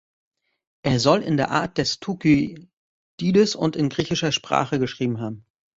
Er soll in der Art des Thukydides und in griechischer Sprache geschrieben haben.